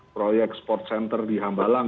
proyek sport center di hambalang